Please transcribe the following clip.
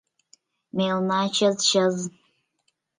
Мелна — чыз-чыз.